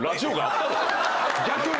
逆に！